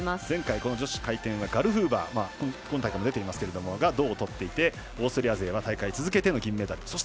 前回、女子回転はガルフーバー今大会も出ていますが銅をとっていてオーストリア勢は大会続けての銅メダル。